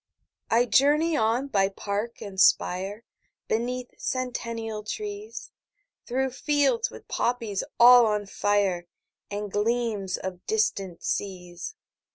20 I journey on by park and spire, Beneath centennial trees, Through fields with poppies all on fire, And gleams of distant seas.